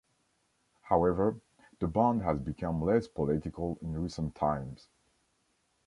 However, the band has become less political in recent times.